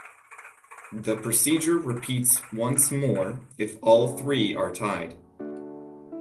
The procedure repeats once more if all three are tied.